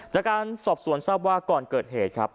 จากการสอบสวนทราบว่าก่อนเกิดเหตุครับ